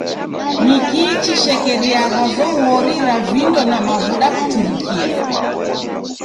Nikii chishekeriagha zoghori ra vindo na mavuda kuchurikia?